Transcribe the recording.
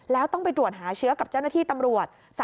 แล้วต้องไปตรวจหาเชื้อกับเจ้าหน้าที่ตำรวจ